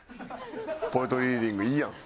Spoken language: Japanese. ポエトリーリーディングいいやん。